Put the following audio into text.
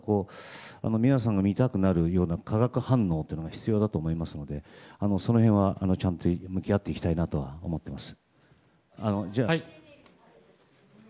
皆さんが見たくなるような化学反応というのが必要だと思いますのでその辺はちゃんと向き合っていきたいなと思っております。